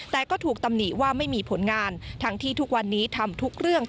แต่ก็ถูกตำหนิว่าไม่มีผลงานทั้งที่ทุกวันนี้ทำทุกเรื่อง